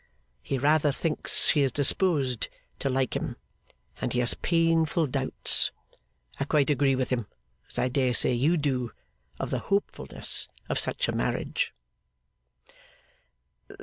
He rather thinks she is disposed to like him, and he has painful doubts (I quite agree with him, as I dare say you do) of the hopefulness of such a marriage.